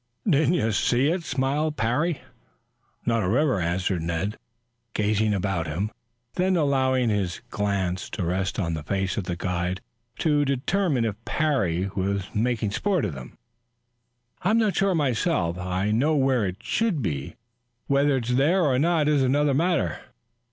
"Don't you see it?" smiled Parry. "Not a river," answered Ned, gazing about him, then allowing his glance to rest on the face of the guide to determine if Parry were making sport of them. "I am not sure myself. I know where it should be. Whether it's there or not is another matter.